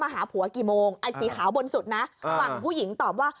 หวังผู้หญิงตอบว่า